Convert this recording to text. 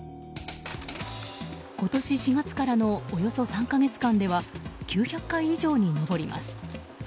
今年４月からのおよそ３か月間では９００回以上に上ります。